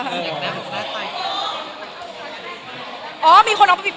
ขอบคุณคุณนะไฟวัล